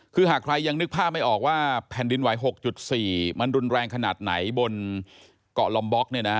คือหากใครยังนึกภาพไม่ออกว่าแผ่นดินไหว๖๔มันรุนแรงขนาดไหนบนเกาะลอมบ็อก